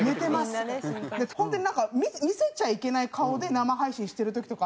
本当になんか見せちゃいけない顔で生配信してる時とかあって。